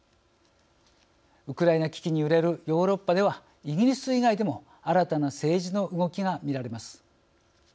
ウクライナ危機に揺れるヨーロッパではイギリス以外でも新たな政治の動きが見られます。